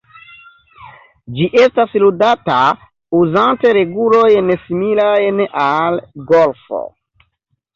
Ĝi estas ludata uzante regulojn similajn al golfo.